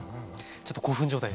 ちょっと興奮状態ですね！